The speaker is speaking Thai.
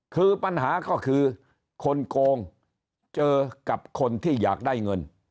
คือปัญหาก็คือคนโกงเจอกับคนที่อยากได้เงิน